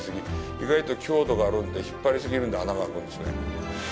意外と強度があるので、引っ張り過ぎるんで穴が開くんですね。